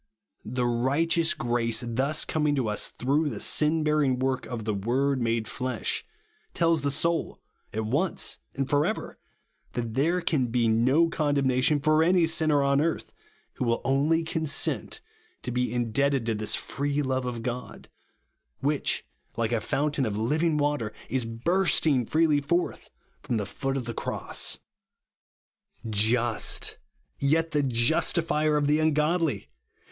Tlie righteous grace thus coming to us through the sin bearing work of the " Word made flesh," tells the soul, at once and for ever, that there can be no condem nation for any sinner upon earth, who will only consent to be indebted to this free love of God, which, like a fountain of living water, is bursting freely forth from the foot of the Cross. Just, yet the Justifier of the ungodly!